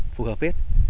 phù hợp hết